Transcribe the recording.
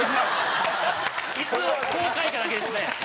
いつ公開かだけですね。